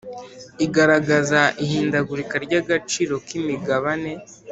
igaragaza ihindagurika ry agaciro k imigabane